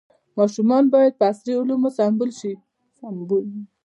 ماشومان باید په عصري علومو سمبال شي.